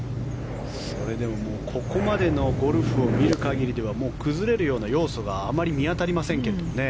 それでもここまでのゴルフを見る限りでは崩れるような要素があまり見当たりませんけどね。